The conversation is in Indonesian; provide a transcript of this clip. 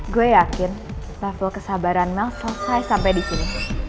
gue yakin level kesabaran no selesai sampai di sini